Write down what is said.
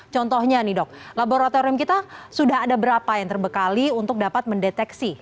contohnya nih dok laboratorium kita sudah ada berapa yang terbekali untuk dapat mendeteksi